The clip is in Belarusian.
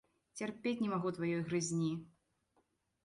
Цярпець не магу тваёй грызні!